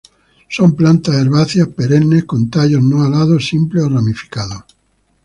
Son plantas herbáceas perennes con tallos no alados simples o ramificados.